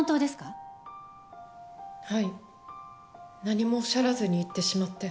何もおっしゃらずに行ってしまって。